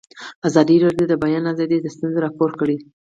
ازادي راډیو د د بیان آزادي ستونزې راپور کړي.